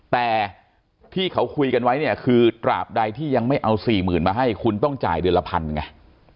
แต่ที่เขาคุยกันไว้เนี่ยคือตราบใดที่ยังไม่เอาสี่หมื่นมาให้คุณต้องจ่ายเดือนละพันไง